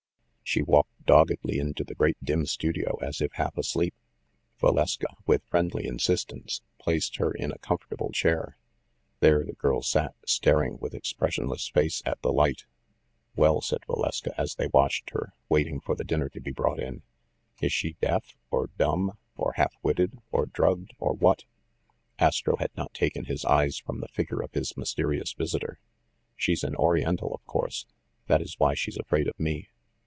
She walked doggedly into the great dim studio, as if half asleep. Valeska, with friendly insistence, placed her in a comfortable chair. There the girl sat, staring with expressionless face at the light. "Well," said Valeska, as they watched her, waiting for the dinner to be bought in, "is she deaf, or dumb, or half witted, or drugged, or what?" Astro had not taken his eyes from the figure of his mysterious visitor. "She's an oriental, of course. That is why she's afraid of me.